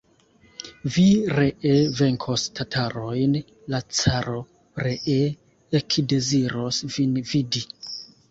Vi ree venkos tatarojn, la caro ree ekdeziros vin vidi.